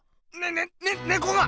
ねね猫が！